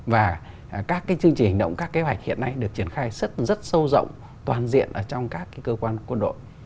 và các chương trình hành động các kế hoạch hiện nay được triển khai rất sâu rộng toàn diện trong các cơ quan quân đội